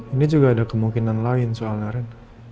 ini juga ada kemungkinan lain soal naren